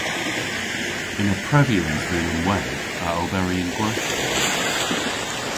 Yma prevyans dhymm ynwedh a oberi yn gwerthjiow.